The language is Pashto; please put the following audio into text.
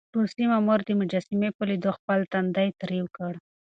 روسي مامور د مجسمې په ليدو خپل تندی تريو کړ.